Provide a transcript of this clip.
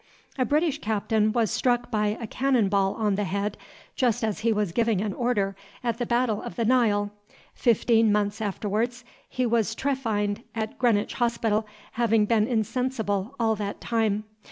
A British captain was struck by a cannon ball on the head, just as he was giving an order, at the Battle of the Nile. Fifteen months afterwards he was trephined at Greenwich Hospital, having been insensible all that time.